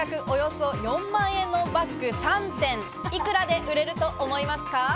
およそ４万円のバッグ３点、いくらで売れると思いますか？